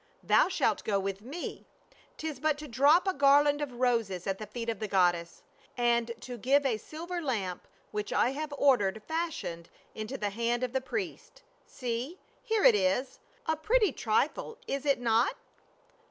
Thou shalt go with me ; 'tis but to drop a garland of roses at the feet of the goddess, and to give a silver lamp which I have ordered fashioned into the hand of the priest. See, here it is ; a pretty trifle, is it not?"